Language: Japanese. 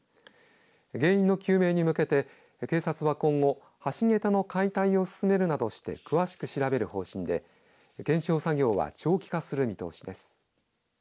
原因の究明に向けて、警察は今後橋桁の解体を進めるなどして詳しく調べる方針で検証作業は長期化する見通しです。